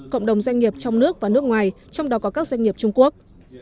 cộng đồng doanh nghiệp trong nước và nước ngoài trong đó có các doanh nghiệp trung quốc